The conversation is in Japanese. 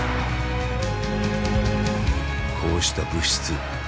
こうした「物質」。